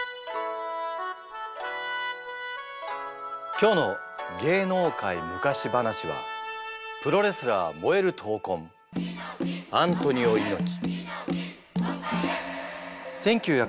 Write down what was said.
今日の「★げいのうかい★むかしばなし」はプロレスラー燃える闘魂「アントニオ猪木」。